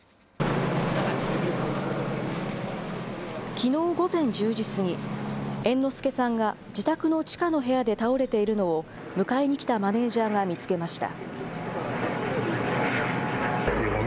きのう午前１０時過ぎ、猿之助さんが自宅の地下の部屋で倒れているのを、迎えに来たマネージャーが見つけました。